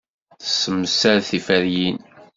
Tessemsad tiferyin.